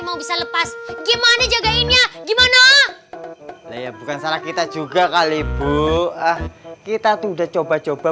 mau bisa lepas gimana jagainnya gimana ya bukan salah kita juga kali bu kita tuh udah coba coba